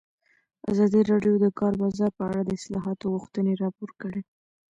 ازادي راډیو د د کار بازار په اړه د اصلاحاتو غوښتنې راپور کړې.